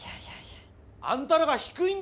あんたらが低いんですよ！